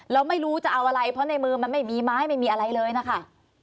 เราไม่รู้จะเอาอะไรเพราะในมือมันไม่มีไม้ไม่มีอะไรเลยนะคะ